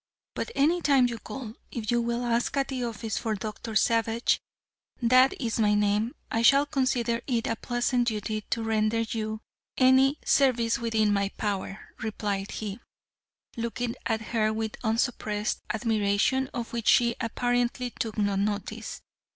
But any time you call, if you will ask at the office for Doctor Savage, that is my name, I shall consider it a pleasant duty to render you any service within my power," replied he, looking at her with unsuppressed admiration, of which she apparently took no notice.